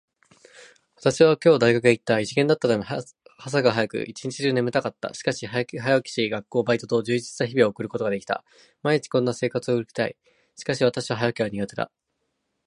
私は今日大学に行った。一限だったため、朝が早く、一日中眠たかった。しかし、早起きをし、学校、バイトと充実した日を送ることができた。毎日こんな生活を送りたい。しかし私は早起きが苦手だ。